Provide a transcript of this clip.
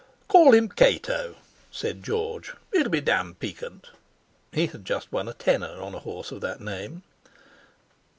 "Call him Cato," said George, "it'll be damned piquant!" He had just won a tenner on a horse of that name.